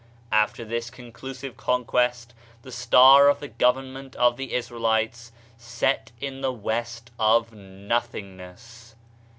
After this conclusive conquest the star of the government of the Israelites set in the West of nothingness.